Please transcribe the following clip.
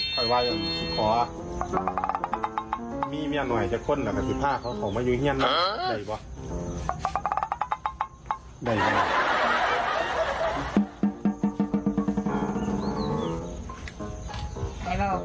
คอยว่าคอยว่าคอยว่าคอยว่าสิขอมีเมียหน่อยจะข้นแต่คือผ้าเขาเขามาอยู่เฮียนล่ะได้หรือเปล่า